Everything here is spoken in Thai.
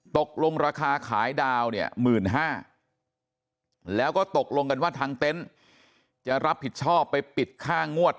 ตกลงราคาขายดาวเนี่ย๑๕๐๐แล้วก็ตกลงกันว่าทางเต็นต์จะรับผิดชอบไปปิดค่างวด